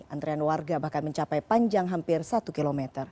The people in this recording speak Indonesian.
antrean warga bahkan mencapai panjang hampir satu km